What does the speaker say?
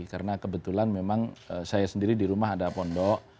karena kebetulan memang saya sendiri di rumah ada pondok